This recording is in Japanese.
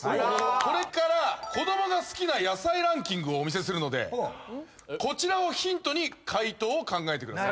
これから子どもが好きな野菜ランキングをお見せするのでこちらをヒントに解答を考えてください・